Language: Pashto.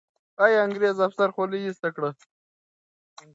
آیا انګریزي افسر خولۍ ایسته کړه؟